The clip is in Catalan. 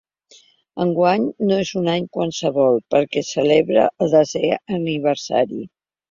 Enguany no és un any qualsevol, perquè celebra el desè aniversari.